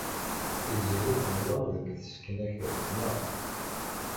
Tiziri teẓwer deg tseknakalt, naɣ?